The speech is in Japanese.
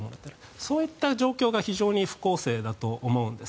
そういった状況が非常に不公正だと思うんです。